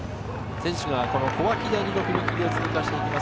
選手が小涌谷の踏切を通過していきます。